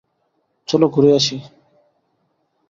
চলো ঘুরে আসি।